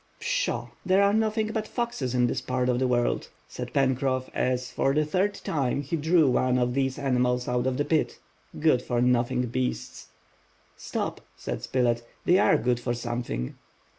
"Pshaw! there are nothing but foxes in this part of the world," said Pencroff, as, for the third time, he drew one of these animals out of the pit. "Good for nothing beasts;" "Stop," said Spilett; "they are good for something."